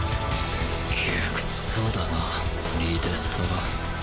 窮屈そうだなリ・デストロ。